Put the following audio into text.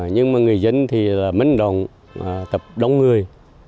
nhưng người dân là mến đồng tập đông người